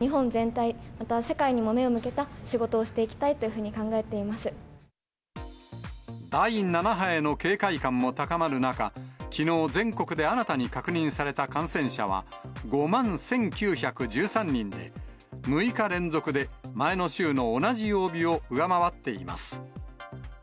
日本全体、また世界にも目を向けた仕事をしていきたいというふうに考えてい第７波への警戒感も高まる中、きのう、全国で新たに確認された感染者は、５万１９１３人で、６日連続で前の週の同じ曜日を上回っています。